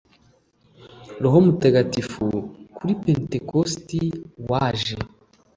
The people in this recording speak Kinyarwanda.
roho mutagatifu, kuri pentekosti waje